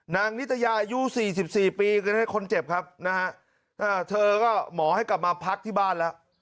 นางนิตยาอายุสี่สิบสี่ปีก็ได้ให้คนเจ็บครับนะฮะอ่าเธอก็หมอให้กลับมาพักที่บ้านแล้ว